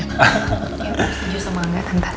setuju sama angga tante